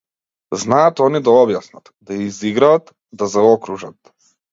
Знаат они да објаснат, да изиграат, да заокружат.